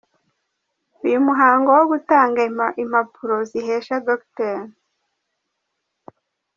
Uyu muhango wo gutanga impapuro zihesha Dr.